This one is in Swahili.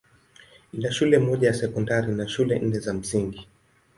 Ina shule moja ya sekondari na shule nne za msingi.